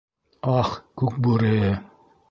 Ах, Күкбүре...